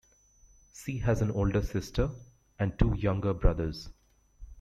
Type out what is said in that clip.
She has an older sister and two younger brothers.